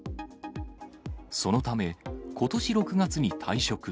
そのため、ことし６月に退職。